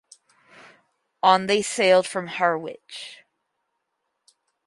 On they sailed from Harwich.